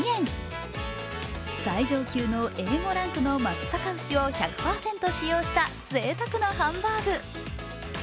最上級のＡ５ランクの松阪牛を１００％使用したぜいたくなハンバーグ。